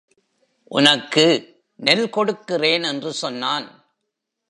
உனக்கு நெல் கொடுக்கிறேன் என்று சொன்னான்.